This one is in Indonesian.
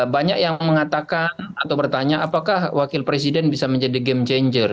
banyak yang mengatakan atau bertanya apakah wakil presiden bisa menjadi game changer